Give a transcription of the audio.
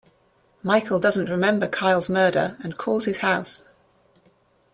Michael doesn't remember Kyle's murder and calls his house.